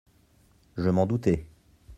—«Je m’en doutais.